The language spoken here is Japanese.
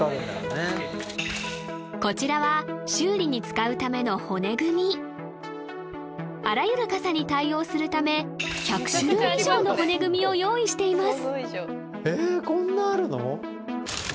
こちらは修理に使うための骨組みあらゆる傘に対応するため１００種類以上の骨組みを用意しています